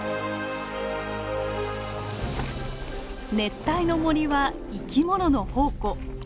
熱帯の森は生き物の宝庫。